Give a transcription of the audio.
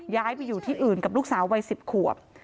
ย้ายไปอยู่ที่อื่นกับลูกสาววัย๑๐ขวบ